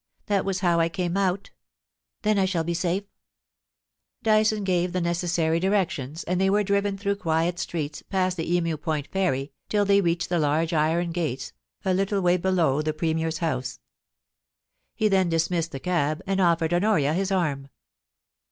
That was how I came out Then I shall be safe.' Dyson gave the necessary directions, and they were driven through quiet streets, past the Emu Point Ferry, till they reached the large iron gates, a little way below the Premier's house. He then dismissed the cab and offered Honoria his arm.